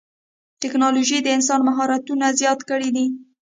ټکنالوجي د انسان مهارتونه زیات کړي دي.